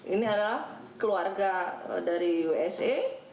ini adalah keluarga dari wsa